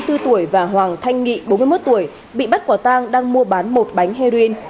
phan văn long ba mươi bốn tuổi và hoàng thanh nghị bốn mươi một tuổi bị bắt quả tang đang mua bán một bánh heroin